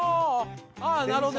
あなるほど！